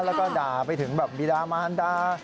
แล้วก็ด่าไปถึงแบบบีดามานดา